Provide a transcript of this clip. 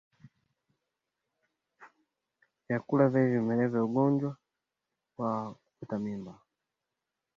Vyakula vyenye vimelea vya ugonjwa wa kutupa mimba